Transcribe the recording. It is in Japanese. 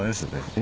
え？